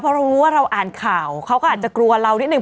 เพราะเรารู้ว่าเราอ่านข่าวเขาก็อาจจะกลัวเรานิดนึ